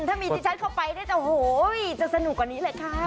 ถ้ามีที่ฉันเข้าไปเนี่ยจะโหจะสนุกกว่านี้เลยค่ะ